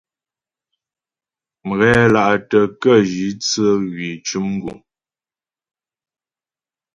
Mghɛla'tə ke jǐ tsə hwî cʉm guŋ.